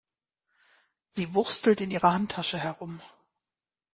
Sie wurstelt in ihrer Handtasche herum.